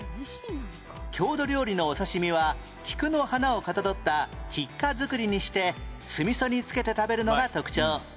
郷土料理のお刺身は菊の花をかたどった菊花造りにして酢味噌につけて食べるのが特徴